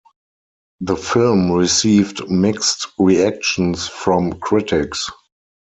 The film received mixed reactions from critics.